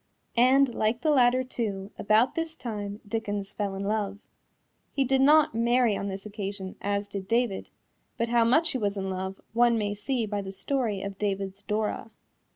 And like the latter, too, about this time Dickens fell in love. He did not marry on this occasion, as did David, but how much he was in love one may see by the story of David's Dora.